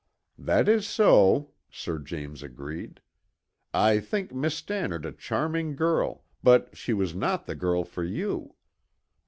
"That is so," Sir James agreed. "I think Miss Stannard a charming girl, but she was not the girl for you.